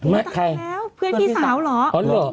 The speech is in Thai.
ใครแล้วเพื่อนพี่สาวเหรอ